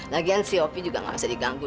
lagian si opi juga gak usah diganggu